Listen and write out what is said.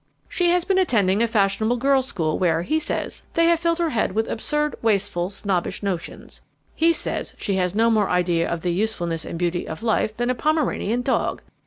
She has been attending a fashionable girls' school where, he says, they have filled her head with absurd, wasteful, snobbish notions. He says she has no more idea of the usefulness and beauty of life than a Pomeranian dog.